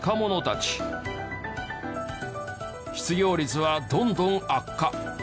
失業率はどんどん悪化。